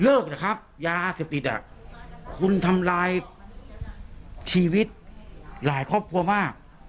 เลิกนะครับยาอาศัพทิศคุณทำลายชีวิตหลายครอบครัวมาก